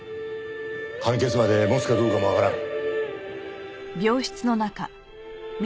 判決までもつかどうかもわからん。